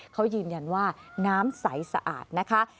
เขายืนยันว่าน้ำใสสะอาดนะคะ